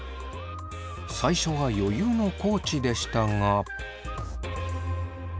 最初は余裕の地でしたが。